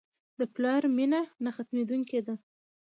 د پلار مینه نه ختمېدونکې ده.